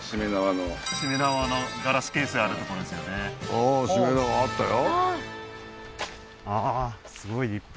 ああーしめ縄あったよ